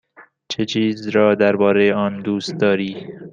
چه چیز را درباره آن دوست داری؟